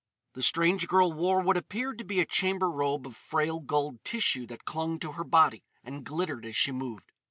The strange girl wore what appeared to be a chamber robe of frail gold tissue that clung to her body and glittered as she moved.